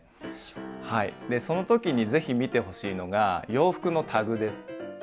はいその時に是非見てほしいのが洋服のタグです。